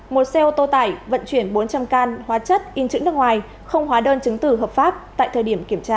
một xe ô tô tải vận chuyển bốn trăm linh can hóa chất in chữ nước ngoài không hóa đơn chứng tử hợp pháp tại thời điểm kiểm tra